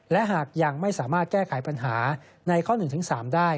และหากยังไม่สามารถแก้ไขปัญหาในข้อ๑๓ได้